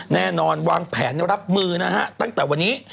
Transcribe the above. แน่นอนวางแผนรับมือนะฮะตั้งแต่วันนี้